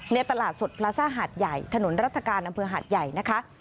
ในตลาดสดพลาซ่าหาดใหญ่ถนนรัฐกาลอำเภอหาดใหญ่นะคะ